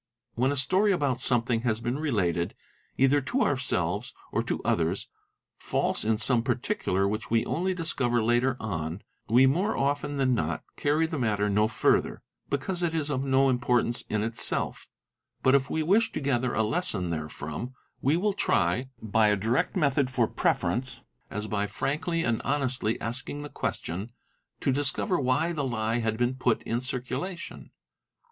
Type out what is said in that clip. When a story about something has been related either to ourselves or to others, false in some particular which we only discover later on, we more often than not carry the matter no further, because it is of no importance in itself ; but if we wish to gather a lesson therefrom we will try—by a direct method for preference, as by frankly and honestly asking the question—to discover why the le had been put in circulation.